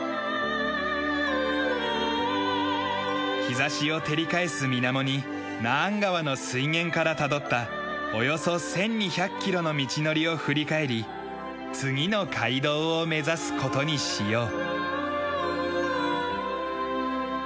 日差しを照り返す水面にナーン川の水源からたどったおよそ１２００キロの道のりを振り返り次の街道を目指す事にしよう。